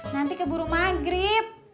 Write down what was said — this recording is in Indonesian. nanti keburu maghrib